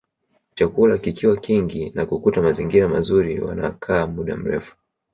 Chakula kikiwa kingi na kukuta mazingira mazuri wanakaa muda mrefu